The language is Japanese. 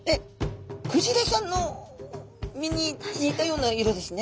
クジラさんの身に似たような色ですね。